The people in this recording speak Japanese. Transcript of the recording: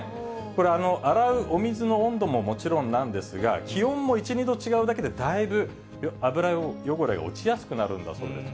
これ、洗うお水の温度ももちろんなんですが、気温も１、２度違うだけで、だいぶ油汚れが落ちやすくなるんだそうです。